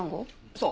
そう。